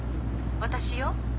私よ。